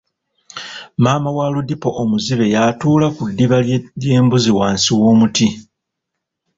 Maama wa Lodipo omuzibe yatuula ku ddiba ly'embuzi wansi w'omuti.